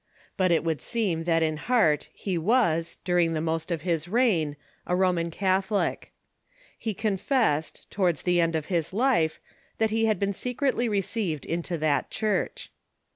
But it would seem that in heart he was, during the most of his reign, a Roman Catholic. lie confessed, towards the end of liis life, that he had been secretly received into that Church.